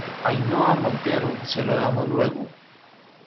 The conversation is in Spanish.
Ainhoa Montero. se lo damos luego .